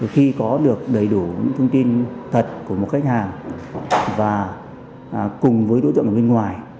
khi có được đầy đủ những thông tin thật của một khách hàng và cùng với đối tượng ở bên ngoài